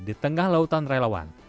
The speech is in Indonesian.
di tengah lautan relawan